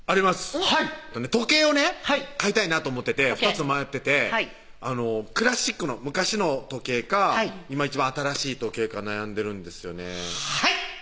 時計をね買いたいなと思ってて２つ迷っててクラシックの昔の時計か今一番新しい時計か悩んでるんですよねはい！